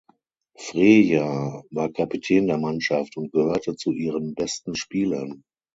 Freja war Kapitän der Mannschaft und gehörte zu ihren besten Spielern.